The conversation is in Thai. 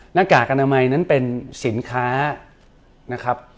หน้ากากอนามัยนั้นเป็นสินค้านะครับ